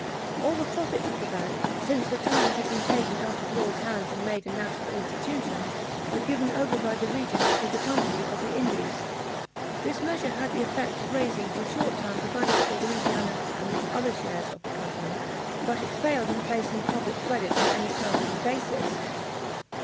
All the profits of the bank, since the time it had been taken out of Law's hands and made a national institution, were given over by the regent to the Company of the Indies. This measure had the effect of raising for a short time the value of the Louisiana and other shares of the company, but it failed in placing public credit on any permanent basis.